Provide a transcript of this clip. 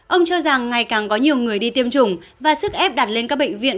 ông cho rằng ngày càng có nhiều người đi tiêm chủng và sức ép đặt lên các bệnh viện